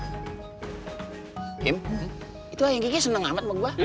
kim itu ayang kiki seneng amat sama gua